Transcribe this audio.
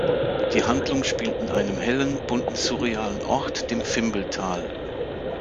Die Handlung spielt in einem hellen, bunten, surrealen Ort, dem "Fimble-Tal.